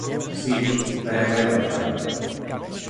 Si, pero é moi avanzado.